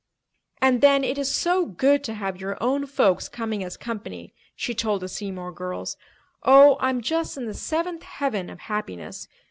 "And then it is so good to have your own folks coming as company," she told the Seymour girls. "Oh, I'm just in the seventh heaven of happiness.